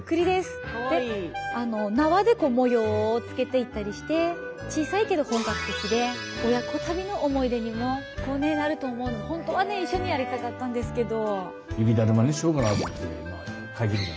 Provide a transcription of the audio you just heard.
縄で模様をつけていったりして小さいけど本格的で親子旅の思い出にもなると思うので本当はね一緒にやりたかったんですけど。